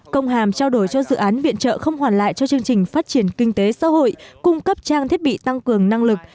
công hàm trao đổi cho dự án viện trợ không hoàn lại cho chương trình phát triển kinh tế xã hội cung cấp trang thiết bị tăng cường năng lực